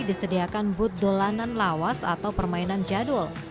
disediakan buddholanan lawas atau permainan jadul